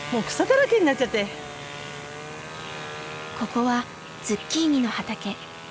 ここはズッキーニの畑。